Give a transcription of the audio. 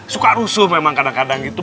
suka rusuh memang kadang kadang gitu